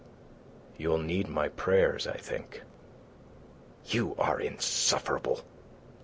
You'll need my prayers, I think." "You are insufferable!"